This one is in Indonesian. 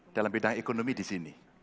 dalam bidang ekonomi di sini